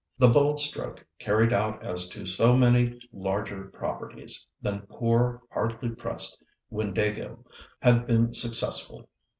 The bold stroke, carried out as to so many larger properties than poor, hardly pressed Windāhgil, had been successful.